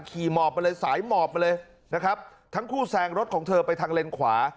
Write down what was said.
หมอบมาเลยสายหมอบมาเลยนะครับทั้งคู่แซงรถของเธอไปทางเลนขวา